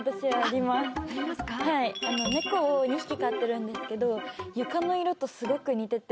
ネコを２匹飼ってるんですけど床の色とすごく似てて。